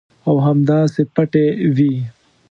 او همداسې پټې وي.